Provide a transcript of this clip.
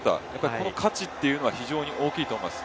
この価値というのは非常に大きいと思います。